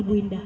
ibu indah ya